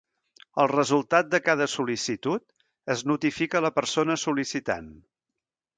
El resultat de cada sol·licitud es notifica a la persona sol·licitant.